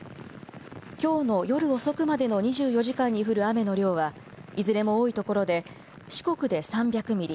きょうの夜遅くまでの２４時間に降る雨の量はいずれも多いところで四国で３００ミリ